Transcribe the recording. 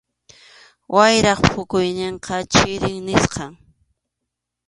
Wayrap phukuyninqa chiri nisqam.